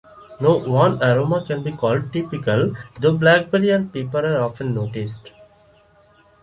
No one aroma can be called "typical" though blackberry and pepper are often noticed.